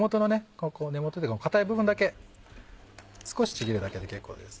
ここ根元というか硬い部分だけ少しちぎるだけで結構です。